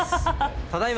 ただいま